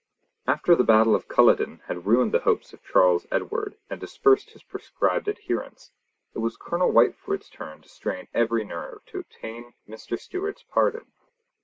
After the battle of Culloden had ruined the hopes of Charles Edward and dispersed his proscribed adherents, it was Colonel Whitefoord's turn to strain every nerve to obtain Mr. Stewart's pardon.